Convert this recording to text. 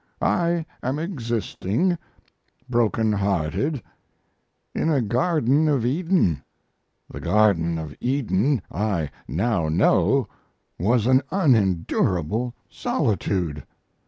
I am existing, broken hearted, in a Garden of Eden.... The Garden of Eden I now know was an unendurable solitude.